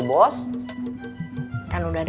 aku mau pulang lagi